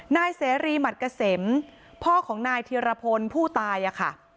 นายเสรีหมัดเกษมพ่อของนายธีรพลผู้ตายค่ะ